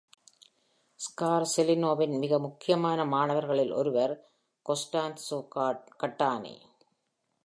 ஸ்கார்செலினோவின் மிக முக்கியமான மாணவர்களில் ஒருவர் கோஸ்டான்சோ கட்டானி.